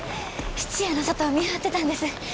質屋の外を見張ってたんです。